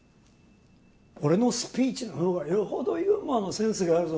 俺のスピーチのほうがよほどユーモアのセンスがあるぞ。